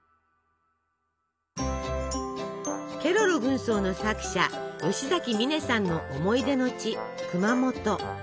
ケロロ軍曹の作者吉崎観音さんの思い出の地熊本。